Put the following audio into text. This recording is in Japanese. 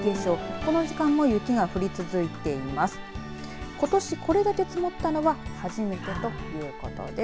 ことし、これだけ積もったのは初めてということです。